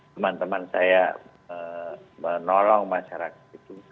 teman teman saya menolong masyarakat itu